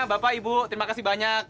bapak ibu terima kasih banyak